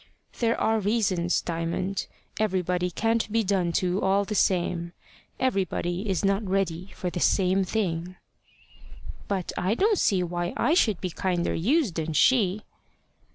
"There are reasons, Diamond. Everybody can't be done to all the same. Everybody is not ready for the same thing." "But I don't see why I should be kinder used than she."